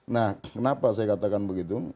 nah kenapa saya katakan begitu